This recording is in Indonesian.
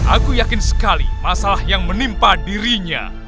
aku yakin sekali masalah yang menimpa dirinya